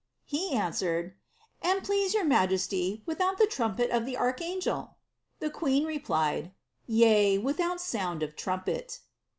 He answered, "An' please your majesty, without the trumpet of the irchangel." The queen replied, ^ Yea, without sound of trumpet."